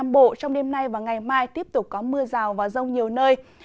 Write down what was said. bộ trong đêm nay và ngày mai tiếp tục có mưa rào và rông nhiều nơi